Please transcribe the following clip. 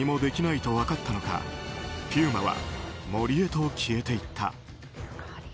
何もできないと分かったのかピューマは森へと消えていった。